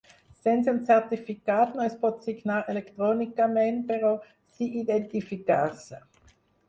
Sense un certificat no es pot signar electrònicament, però sí identificar-se.